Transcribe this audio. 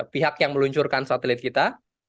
pihak yang meluncurkan satelit kita